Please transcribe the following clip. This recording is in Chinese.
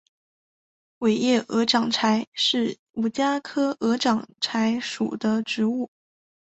尾叶鹅掌柴是五加科鹅掌柴属的植物。